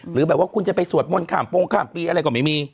หรือแบบว่าคุณจะไปสวดมนต์ข้ามโปรงข้ามปีอะไรก็ไม่มี